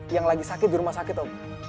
yang lagi sakit di rumah sakit om